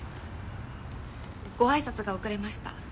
ご挨拶が遅れました。